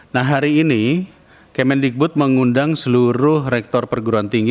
nah hari ini kemendikbud mengundang seluruh rektor perguruan tinggi